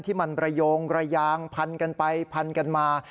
ที่มันระโยงระยางพันกันไปพันกันมา